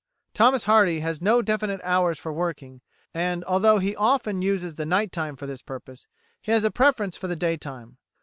Thomas Hardy has no definite hours for working, and, although he often uses the night time for this purpose, he has a preference for the day time.